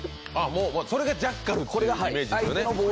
それがジャッカルっていうイメージですよね。